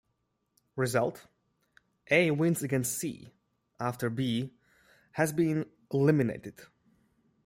Result: A wins against C, after B has been eliminated.